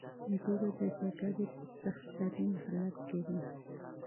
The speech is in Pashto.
دوی به د جګړې په شدت کې وو.